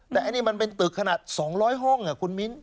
แต่อันนี้มันเป็นตึกขนาด๒๐๐ห้องคุณมิ้น